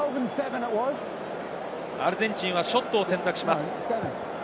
アルゼンチンはショットを選択します。